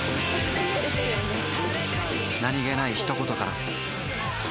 何気ない一言から